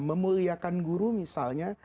memuliakan guru misalnya